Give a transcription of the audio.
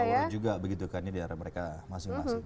mereka berbawah juga begitu kan ya diarah mereka masing masing